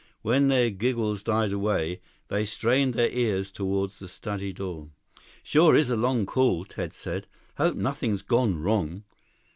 When their giggles died away, they strained their ears toward the study door. "Sure is a long call," Ted said. "Hope nothing's gone wrong."